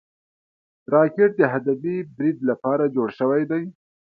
راکټ د هدفي برید لپاره جوړ شوی دی